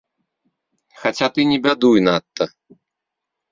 Хаця ты не бядуй надта!